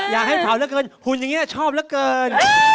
อยากให้เผาเหลือเกินหุ่นอย่างนี้ชอบเหลือเกิน